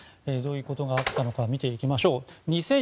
どういうことがあったのか見ていきましょう。